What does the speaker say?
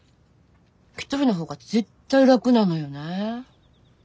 １人の方が絶対ラクなのよねぇ。